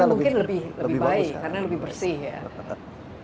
mungkin lebih baik karena lebih bersih ya